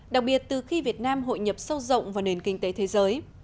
đặc biệt từ khi việt nam hội nhập sâu rộng vào nền kinh tế thế giới